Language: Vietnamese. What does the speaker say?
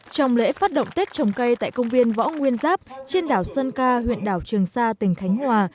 trong lễ phát động tết trồng cây tại công viên võ nguyên giáp trên đảo sơn ca huyện đảo trường sa tỉnh khánh hòa